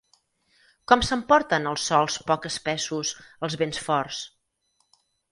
Com s'emporten els sòls poc espessos els vents forts?